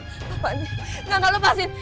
bapaknya nggak akan lepasin